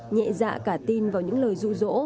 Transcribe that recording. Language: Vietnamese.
nhẹ dạ cả tin vào những lời rụ rỗ